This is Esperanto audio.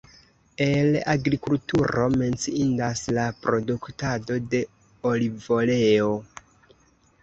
El agrikulturo menciindas la produktado de olivoleo.